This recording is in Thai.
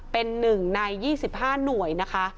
เป็นหนึ่งใน๒๕หน่วยนะคะ